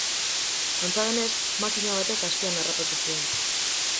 Antza denez, makina batek azpian harrapatu zuen.